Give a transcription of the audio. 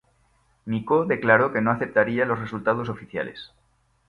Micó declaró que no aceptaría los resultados oficiales.